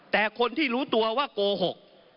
แต่คนที่รู้ตัวว่าโกหก